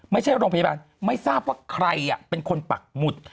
ไม่ใช่โรงพยาบาลไม่ทราบว่าใครเป็นคนปักหมุด